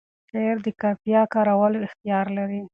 شاعر د قافیه کارولو اختیار لري.